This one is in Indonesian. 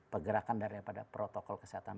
pergerakan daripada protokol kesehatan